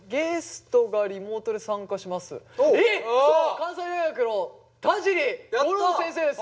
関西大学の田尻悟郎先生です。